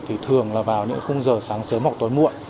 thì thường là vào những khung giờ sáng sớm hoặc tối muộn